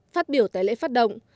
phát biểu tại lễ phát động